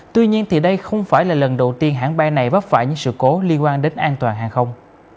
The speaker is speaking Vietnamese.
tuy nhiên thì đây không phải là lần đầu tiên hãng bay này vấp phải những sự cố liên quan đến an toàn hàng không